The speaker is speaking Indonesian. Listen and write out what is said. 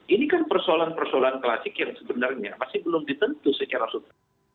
ini kan persoalan persoalan klasik yang sebenarnya masih belum ditentu secara subtan